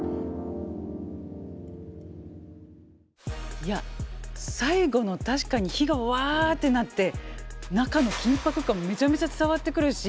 いや最後の確かに火がわってなって中の緊迫感めちゃめちゃ伝わってくるし。